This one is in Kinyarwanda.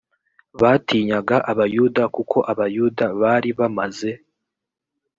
batinyaga abayuda kuko abayuda bari bamaze